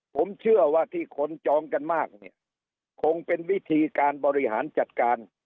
ผมเชื่อว่าที่คนจองกันมากเนี่ยคงเป็นวิธีการบริหารจัดการ